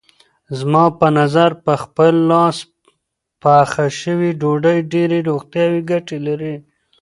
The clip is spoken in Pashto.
زما په نظر په خپل لاس پخه شوې ډوډۍ ډېرې روغتیايي ګټې لري.